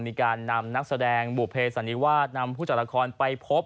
มีการนำนักแสดงบุเภสันนิวาสนำผู้จัดละครไปพบ